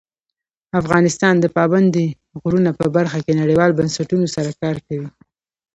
افغانستان د پابندی غرونه په برخه کې نړیوالو بنسټونو سره کار کوي.